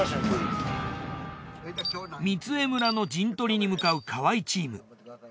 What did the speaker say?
御杖村の陣取りに向かう河合チーム。